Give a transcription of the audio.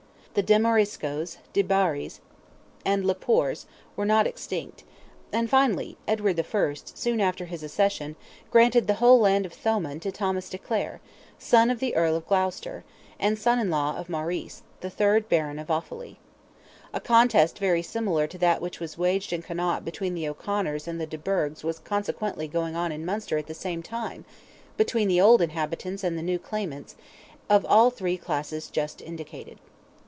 The de Mariscoes, de Barris, and le Poers, were not extinct; and finally Edward I., soon after his accession, granted the whole land of Thomond to Thomas de Clare, son of the Earl of Gloucester, and son in law of Maurice, third Baron of Offally. A contest very similar to that which was waged in Connaught between the O'Conors and de Burghs was consequently going on in Munster at the same time, between the old inhabitants and the new claimants, of all the three classes just indicated.